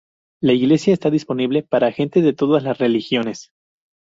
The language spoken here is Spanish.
La iglesia está disponible para gente de todas las religiones.